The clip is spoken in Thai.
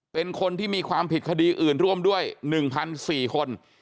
เป็นคนที่มีความผิดคดีอื่นร่วมด้วย๑๔คน